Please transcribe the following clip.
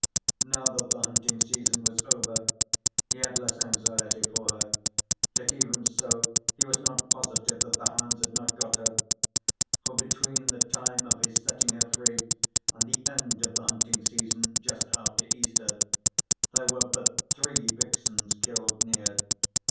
Now that the hunting season was over he had less anxiety for her, yet even so he was not positive that the hounds had not got her. For between the time of his setting her free, and the end of the hunting season (just after Easter), there were but three vixens killed near.